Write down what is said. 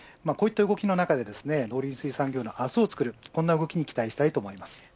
こういった動きの中で農林水産業の明日を作るこんな動きに期待です。